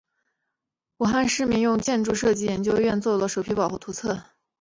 武汉市民用建筑设计研究院定做了首批保护图则。